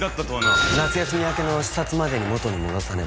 夏休み明けの視察までに元に戻さねば。